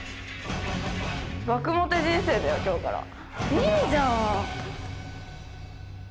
いいじゃん！